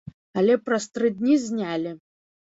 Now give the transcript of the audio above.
Але праз тры дні знялі.